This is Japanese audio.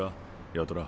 八虎。